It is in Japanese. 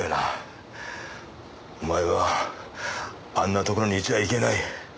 お前はあんなところにいちゃいけない。